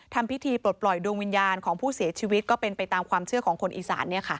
ทำพิธีปลดปล่อยดวงวิญญาณของผู้เสียชีวิตก็เป็นไปตามความเชื่อของคนอีสาน